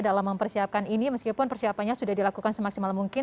dalam mempersiapkan ini meskipun persiapannya sudah dilakukan semaksimal mungkin